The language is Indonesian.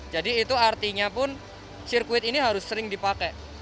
jadi itu artinya pun sirkuit ini harus sering dipakai